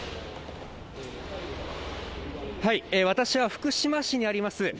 私は福島市にあります